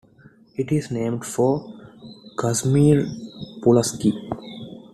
It is named for Casimir Pulaski.